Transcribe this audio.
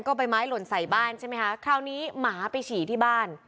ก็ใบไม้หล่นใส่บ้านใช่ไหมคะคราวนี้หมาไปฉี่ที่บ้าน